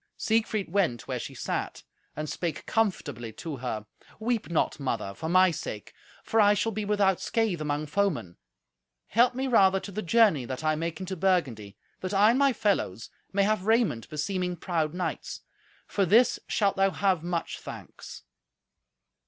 Siegfried went where she sat, and spake comfortably to her. "Weep not, mother, for my sake, for I shall be without scathe among foemen. Help me rather to the journey that I make into Burgundy, that I and my fellows may have raiment beseeming proud knights. For this shalt thou have much thanks."